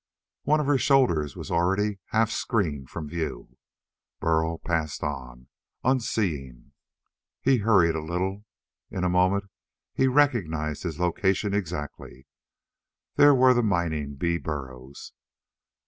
One of her shoulders was already half screened from view. Burl passed on, unseeing. He hurried a little. In a moment he recognized his location exactly. There were the mining bee burrows.